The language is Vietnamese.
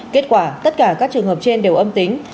kết quả tất cả các trường hợp trên đều âm tính